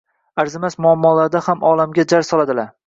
Arzimas muammolarda ham olamga jar soladilar.